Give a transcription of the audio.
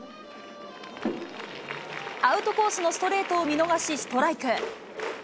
アウトコースのストレートを見逃しストライク。